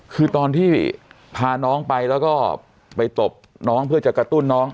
คือตอนที่พาน้องไปแล้วก็ไปตบน้องเพื่อจะกระตุ้นน้อง